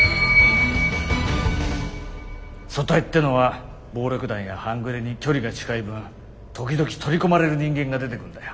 組対ってのは暴力団や半グレに距離が近い分時々取り込まれる人間が出てくんだよ。